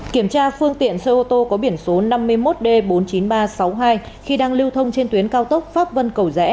kiểm tra phương tiện xe ô tô có biển số năm mươi một d bốn mươi chín nghìn ba trăm sáu mươi hai khi đang lưu thông trên tuyến cao tốc pháp vân cầu rẽ